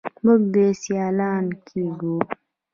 موږ سیالان کیږو.